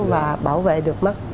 và bảo vệ được mắt